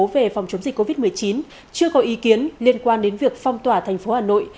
về phòng chống dịch covid một mươi chín chưa có ý kiến liên quan đến việc phong tỏa thành phố hà nội